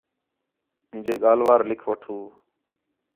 مینجے ڳالھ وار لِکھ وٹھو